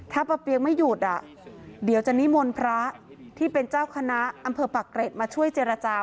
ถ้าป้าเปียงไม่หยุดเดี๋ยวจะนิมนต์พระที่เป็นเจ้าคณะอำเภอปักเกร็ดมาช่วยเจรจา